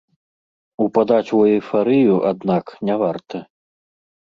Упадаць у эйфарыю, аднак, не варта.